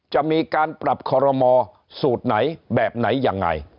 จะมีการปรับคอรมอสูตรไหนแบบไหนยังไง